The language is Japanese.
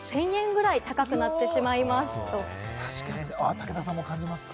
武田さんも感じますか？